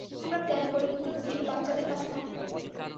আমরা প্ল্যান করি দুজন সিল বাচ্চাদের কাছে থাকবে।